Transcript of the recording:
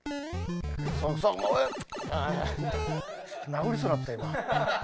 殴りそうになった今。